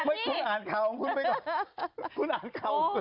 ไม่คุณอ่านเขา